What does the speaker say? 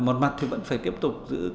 một mặt thì vẫn phải tiếp tục giữ